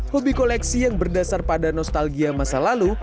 hobi koleksi yang berdasar pada nostalgia masa lalu